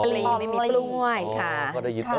ไม่มีปีไม่มีปล้วยค่ะ